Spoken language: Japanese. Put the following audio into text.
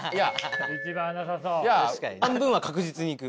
半分は確実にいく。